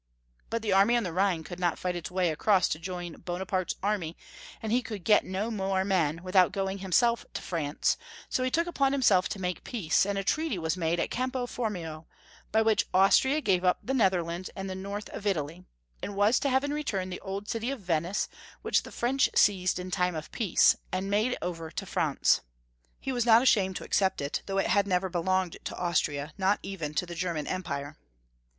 But the army on the Rhine could not fight its 432 Young FoXkf^ Si%tory of Q ermany. way across to join Bonaparte's army, and he could get no more men without going himself to France, so he took upon himself to make peace, and a treaty was made at Campo Formio, by which Austria gave up the Netherlands and the North of Italy, and was to have in return the old city of Venice, which the French seized in time of peace, and made over to Franz. He was not ashamed to accept it though it had never belonged to Austria, not even to the German Empire.